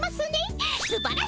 すばらしい！